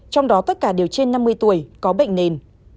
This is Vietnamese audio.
trong đó tất cả đều trên năm mươi tuổi có bệnh nền